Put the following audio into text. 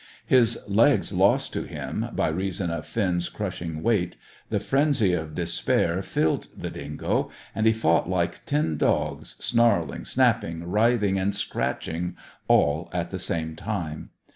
His legs lost to him, by reason of Finn's crushing weight, the frenzy of despair filled the dingo, and he fought like ten dogs, snarling, snapping, writhing, and scratching, all at the same time.